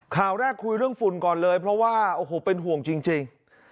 ข่าวแรกคุยเรื่องฝุ่นก่อนเลยเพราะว่าโอ้โหเป็นห่วงจริง